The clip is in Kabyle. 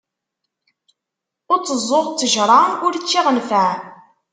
Ur tteẓẓuɣ ṭejra ur ččiɣ nfeɛ.